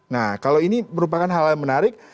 nah kalau ini merupakan hal yang menarik